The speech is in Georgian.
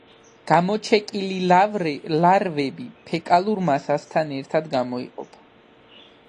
გამოჩეკილი ლარვები ფეკალურ მასასთან ერთად გამოიყოფა.